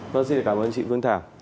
vâng xin cảm ơn chị vương thảo